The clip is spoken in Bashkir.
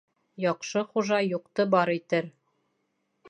Яҡшы хужа юҡты бар итер